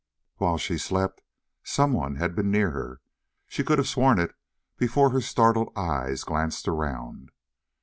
While she slept someone had been near her; she could have sworn it before her startled eyes glanced around.